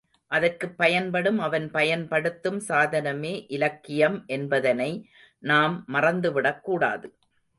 அதற்குப் பயன்படும் அவன் பயன்படுத்தும் சாதனமே இலக்கியம் என்பதனை நாம் மறந்துவிடக் கூடாது.